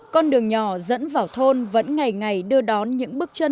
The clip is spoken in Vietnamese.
con đường nhỏ dẫn vào thôn vẫn ngày ngày đưa đón những bước chân bình yên